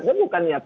itu bukan niat